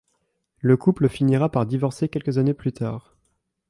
Le couple finira par divorcer quelques années plus tard.